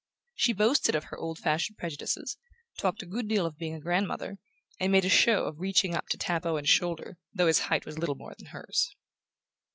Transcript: She boasted of her old fashioned prejudices, talked a good deal of being a grandmother, and made a show of reaching up to tap Owen's shoulder, though his height was little more than hers.